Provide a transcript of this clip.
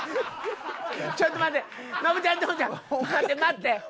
ちょっと待って！